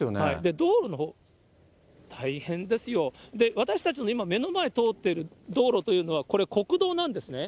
道路のほう、大変ですよ、私たちの今、目の前通ってる道路というのは、これ、国道なんですね。